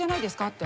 って。